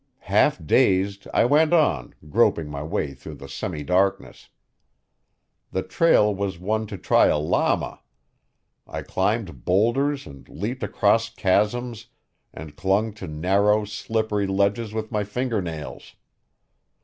Half dazed, I went on, groping my way through the semidarkness. The trail was one to try a llama. I climbed boulders and leaped across chasms and clung to narrow, slippery edges with my finger nails.